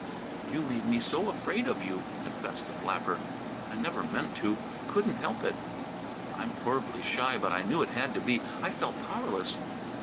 "You made me so afraid of you," confessed the flapper. "I never meant to, couldn't help it." "I'm horribly shy, but I knew it had to be. I felt powerless."